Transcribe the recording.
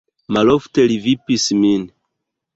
Malofte li vipis min.